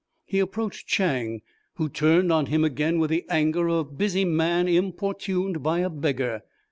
He approached Chang who turned on him again with the anger of a busy man importuned by a beggar.